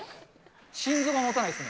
心臓がもたないですね。